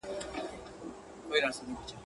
غلبېل کوزې ته وايي، سورۍ.